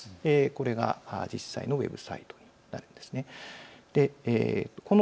これが実際のウェブサイトになります。